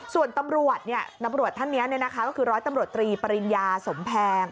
ส่วนตำรวจตำรวจท่านนี้ก็คือร้อยตำรวจตรีปริญญาสมแพง